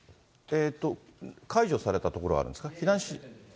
解除された所あるんですか、避難指示。